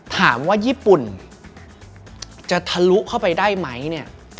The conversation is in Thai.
ถามว่าญี่ปุ่นจะทะลุเข้าไปได้ไหมเนี่ย